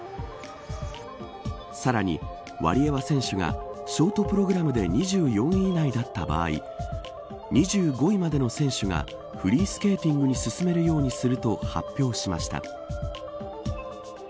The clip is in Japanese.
さらに、ワリエワ選手がショートプログラムで２４位以内だった場合２５位までの選手がフリースケーティングに進めるようにすると発表しました。